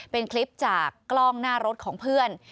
เป็นคลิปจากกล้องหน้ารถของเพื่อน